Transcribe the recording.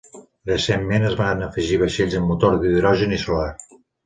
Recentment es van afegir vaixells amb motor d'hidrogen i solar.